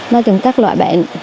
nói chung các loại bệnh